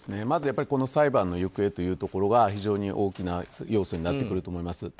まずこの裁判の予定というところは非常に大きな要素になってくると思います。